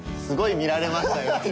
すごい見られましたよ